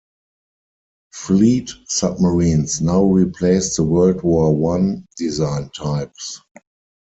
Fleet submarines now replaced the World War One-designed types.